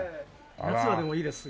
夏はでもいいですよ。